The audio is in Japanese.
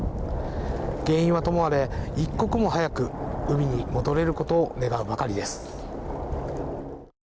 原因はともあれ一刻も早く海に戻れることを願うばかりです。